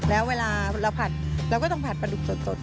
แล้วเวลาเราผัดเราก็ต้องผัดปลาดุกสด